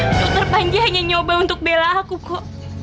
dokter panji hanya mencoba untuk membela saya